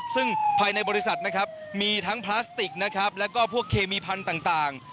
ซึ่งภายในบริษัทมีทั้งพลาสติกและเคมีพันธุ์ต่าง